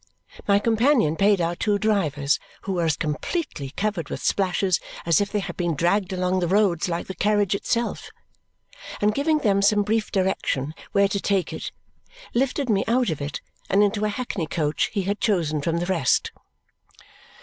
My companion paid our two drivers, who were as completely covered with splashes as if they had been dragged along the roads like the carriage itself, and giving them some brief direction where to take it, lifted me out of it and into a hackney coach he had chosen from the rest.